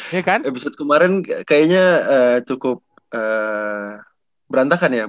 iya episode kemarin kayaknya cukup berantakan ya